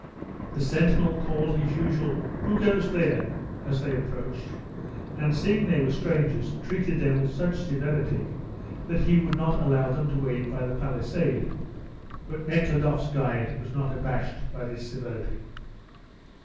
The sentinel called his usual "Who goes there?" as they approached, and seeing they were strangers treated them with such severity that he would not allow them to wait by the palisade; but Nekhludoff's guide was not abashed by this severity.